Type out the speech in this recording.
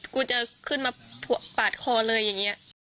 กูจะขึ้นมาปาดคอเลยอย่างนี้